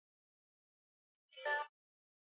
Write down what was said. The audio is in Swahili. Ugonjwa wa mapafu husababisha wanyama kupata mfadhaiko